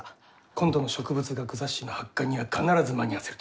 今度の植物学雑誌の発刊には必ず間に合わせると。